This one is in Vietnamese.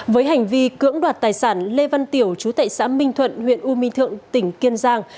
với hành vi cưỡng đoạt tài sản lê văn tiểu chú tệ xã minh thuận huyện u minh thượng tỉnh kiên giang